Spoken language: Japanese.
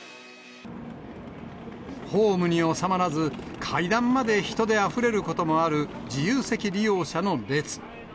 ホームに収まらず、階段まで人であふれることもある自由席利用者の列。